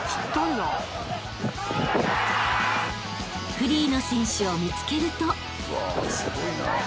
［フリーの選手を見つけると］